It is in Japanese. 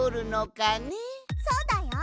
そうだよ！